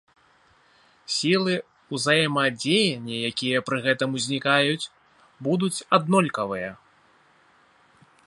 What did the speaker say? Сілы ўзаемадзеяння, якія пры гэтым узнікаюць, будуць аднолькавыя.